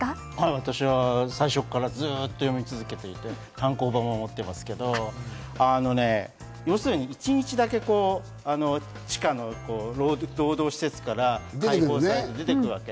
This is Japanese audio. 私は最初からずっと読み続けていて、単行本も持てますけど、要するに一日だけ地下の労働施設から出てくるわけ。